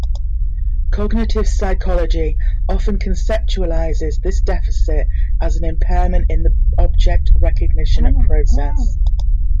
Cognitive psychology often conceptualizes this deficit as an impairment in the object recognition process.